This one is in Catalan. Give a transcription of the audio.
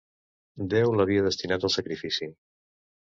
Déu l'havia destinat al sacrifici.